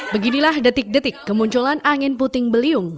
beginilah detik detik kemunculan angin puting beliung